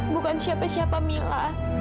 bukan siapa siapa mila